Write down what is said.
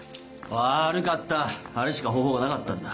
悪かったあれしか方法がなかったんだ。